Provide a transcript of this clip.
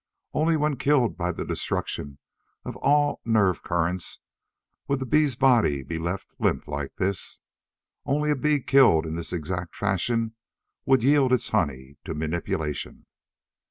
Only when killed by the destruction of all nerve currents would the bee's body be left limp like this. Only a bee killed in this exact fashion would yield its honey to manipulation.